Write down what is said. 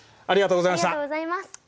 ありがとうございます。